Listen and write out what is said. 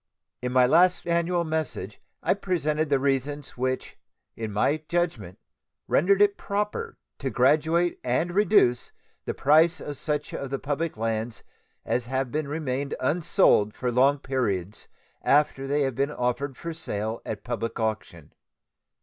In my last annual message I presented the reasons which in my judgment rendered it proper to graduate and reduce the price of such of the public lands as have remained unsold for long periods after they had been offered for sale at public auction.